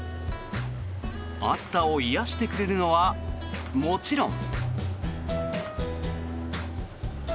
暑さを癒やしてくれるのはもちろん。